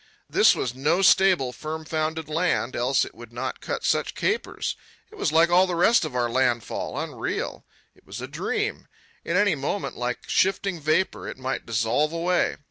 This was no stable, firm founded land, else it would not cut such capers. It was like all the rest of our landfall, unreal. It was a dream. At any moment, like shifting vapour, it might dissolve away.